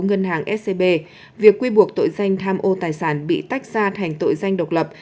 ngân hàng scb việc quy buộc tội danh tham ô tài sản bị tách ra thành tội danh độc lập